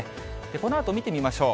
このあと見てみましょう。